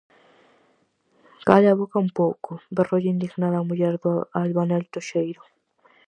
-Cale a boca un pouco! -berroulle indignada a muller do albanel Toxeiro-.